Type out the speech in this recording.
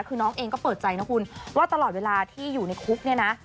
คือน้องเองก็เปิดใจนะคุณว่าตลอดเวลาที่อยู่ในคุกเนี่ยนะ